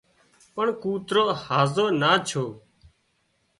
پڻ ڪوترو هازو نا ڇو